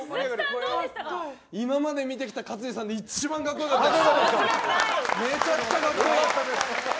今まで見てきた勝地さんで一番かっこよかったです。